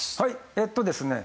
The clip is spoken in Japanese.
えっとですね